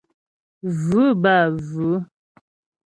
Vʉ̂ bə́ â vʉ̌.